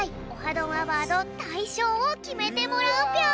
どんアワード」たいしょうをきめてもらうぴょん。